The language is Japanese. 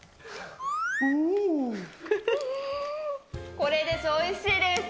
これです、おいしいです。